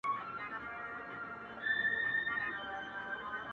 • د زلفو عطر دي د خیال له شبستانه نه ځي -